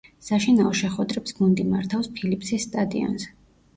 საშინაო შეხვედრებს გუნდი მართავს ფილიპსის სტადიონზე.